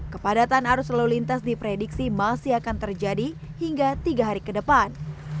kepadatan arus lalu lintas diprediksi masih akan terjadi hingga tiga hari ke depan